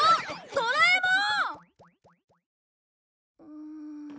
ドラえもん！